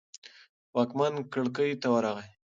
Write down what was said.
واکمن کړکۍ ته ورغی.